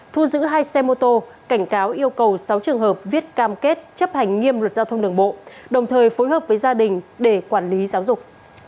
thu giữ hai xe mô tô cảnh cáo yêu cầu sáu trường hợp viết cam kết chấp hành nghiêm luật giao thông đường bộ đồng thời phối hợp với gia đình để quản lý giáo dục